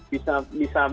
bisa panjang bisa pendek